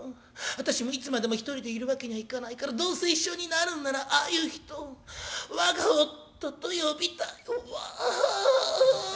私もいつまでも独りでいるわけにはいかないからどうせ一緒になるんならああいう人を我が夫と呼びたいわ』」。